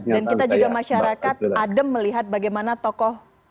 dan kita juga masyarakat adem melihat bagaimana tokoh